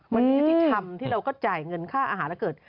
วันนี้ที่ทำที่เราก็จ่ายเงินค่าอาหารแล้วเกิด